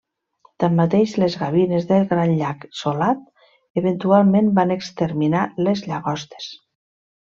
Tanmateix, les gavines del Gran Llac Salat eventualment van exterminar les llagostes.